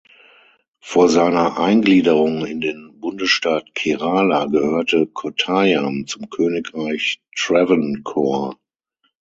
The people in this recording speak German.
Vor seiner Eingliederung in den Bundesstaat Kerala gehörte Kottayam zum Königreich Travancore.